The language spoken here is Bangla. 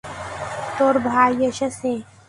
তোর ভাই এসেছে।